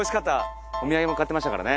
お土産も買ってましたからね。